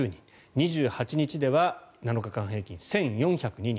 ２８日では７日間平均１４０２人。